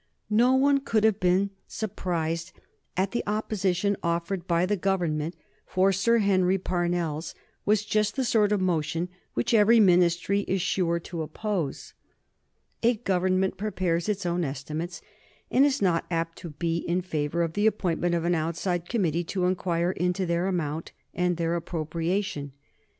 No one could have been surprised at the opposition offered by the Government, for Sir Henry Parnell's was just the sort of motion which every Ministry is sure to oppose. A government prepares its own estimates, and is not apt to be in favor of the appointment of an outside committee to inquire into their amount and their appropriation.